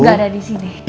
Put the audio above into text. gak ada disini